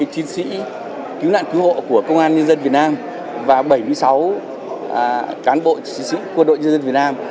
một mươi chiến sĩ cứu nạn cứu hộ của công an nhân dân việt nam và bảy mươi sáu cán bộ chiến sĩ quân đội nhân dân việt nam